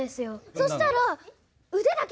そしたら。